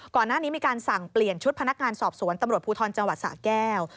ก่อนหน้านี้มีการสั่งเปลี่ยนชุดพนักงานสอบสวนตำรวจภูทรจังหวัดสะแก้ว